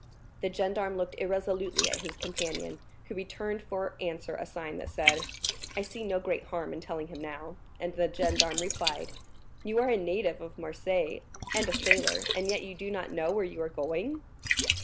The gendarme looked irresolutely at his companion, who returned for answer a sign that said, "I see no great harm in telling him now," and the gendarme replied: "You are a native of Marseilles, and a sailor, and yet you do not know where you are going?"